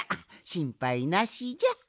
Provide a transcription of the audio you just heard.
しんぱいなしじゃ！